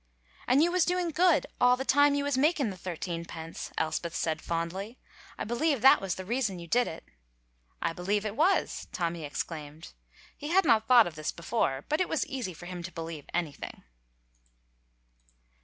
"And you was doing good all the time you was making the thirteen pence," Elspeth said, fondly. "I believe that was the reason you did it." "I believe it was!" Tommy exclaimed. He had not thought of this before, but it was easy to him to believe anything.